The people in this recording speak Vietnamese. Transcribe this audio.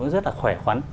rất là khỏe khoắn